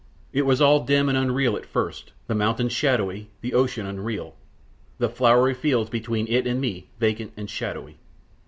It was all dim and unreal at first, the mountains shadowy, the ocean unreal, the flowery fields between it and me vacant and shadowy.